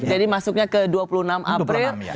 jadi masuknya ke dua puluh enam april